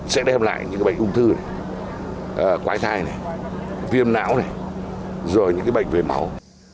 sẽ đem lại những cái bệnh ung thư này quái thai này viêm não này rồi những cái bệnh về máu